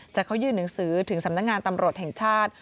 เข้ายื่นหนังสือถึงสำนักงานตำรวจแห่งชาติ